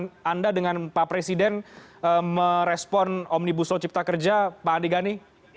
bagaimana anda dengan pak presiden merespon omnibus law cipta kerja pak andi gani